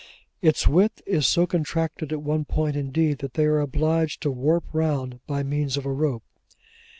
Its width is so contracted at one point, indeed, that they are obliged to warp round by means of a rope.